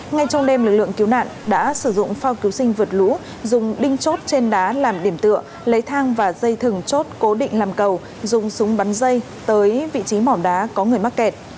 ngay trong đêm lực lượng cứu nạn đã sử dụng phao cứu sinh vượt lũ dùng đinh chốt trên đá làm điểm tựa lấy thang và dây thừng chốt cố định làm cầu dùng súng bắn dây tới vị trí mỏm đá có người mắc kẹt